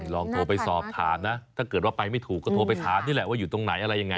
ลองโทรไปสอบถามนะถ้าเกิดว่าไปไม่ถูกก็โทรไปถามนี่แหละว่าอยู่ตรงไหนอะไรยังไง